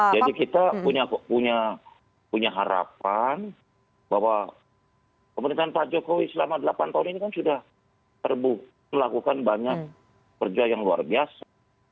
kita punya harapan bahwa pemerintahan pak jokowi selama delapan tahun ini kan sudah terbukti melakukan banyak kerja yang luar biasa